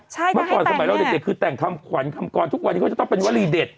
เมื่อก่อนสมัยเราเด็กคือแต่งคำขวัญคำกรทุกวันนี้เขาจะต้องเป็นวลีเด็ด